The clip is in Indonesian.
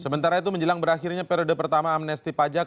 sementara itu menjelang berakhirnya periode pertama amnesti pajak